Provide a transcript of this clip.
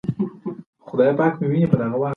زه د ورځني فشارونو پر وړاندې تیار یم.